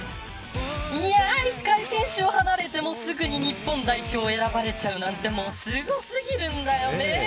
一回選手を離れても、すぐに日本代表に選ばれちゃうなんてすごすぎるんだよね。